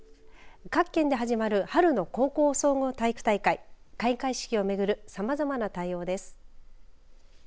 各県で始まる春の高校総合体育大会開会式を巡るさまざまな対応です。